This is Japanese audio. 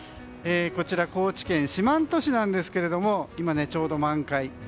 こちら高知県四万十市なんですが今、ちょうど満開。